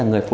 đã có thể